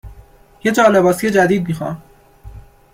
.یه جالباسی جدید میخام